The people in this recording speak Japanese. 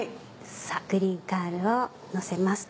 グリーンカールをのせます。